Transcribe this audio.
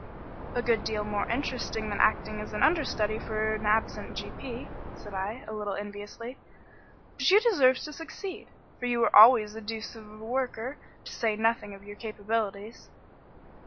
"A good deal more interesting than acting as understudy for an absent g.p.," said I, a little enviously. "But you deserve to succeed, for you were always a deuce of a worker, to say nothing of your capabilities."